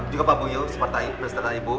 juga pak buyu sepertai berserta ibu